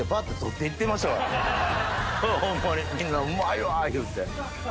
ホンマにみんな「うまいわ」って言って。